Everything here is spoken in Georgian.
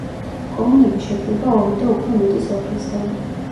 კომუნები შედგება ორი და უფრო მეტი სოფლისგან.